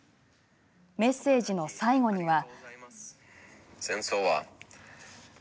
メッセージの最後には。